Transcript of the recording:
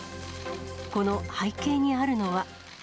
この背景にあるのは。